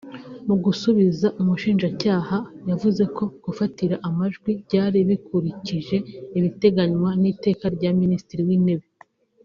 Mu gusubiza umushinjacyaha yavuze ko gufatira amajwi byari bikurikije ibiteganywa n’iteka rya Minisitiri w’Intebe